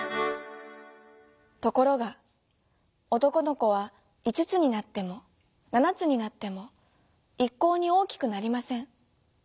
ところがおとこのこは５つになっても７つになってもいっこうにおおきくなりません。